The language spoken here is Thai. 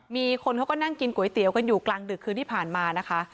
มีคนเขาก็นั่งกินก๋วยเตี๋ยวกันอยู่กลางดึกคืนที่ผ่านมานะคะ